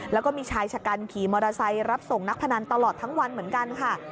แล้วก็มีชายชะกันขี่มอเตอร์ไซค์รับส่งนักพนันตลอดทั้งวันเหมือนกันค่ะ